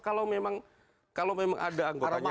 kalau memang ada anggotanya